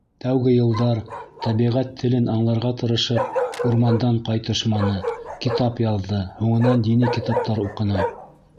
Тәүге йылдар тәбиғәт телен аңларға тырышып, урмандан ҡайтышманы, китап яҙҙы, һуңынан дини китаптар уҡыны.